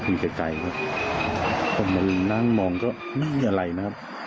มีไกลครับพอมันนั่งมองก็ไม่มีอะไรนะครับ